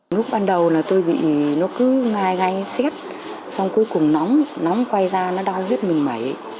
lúc ban đầu là tôi bị nó cứ ngai ngay xét xong cuối cùng nóng nóng quay ra nó đau hết mình mấy